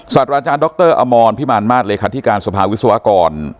สวัสดีราชาดรออมรพิมารมาทเลขาธิการสภาวิศวกร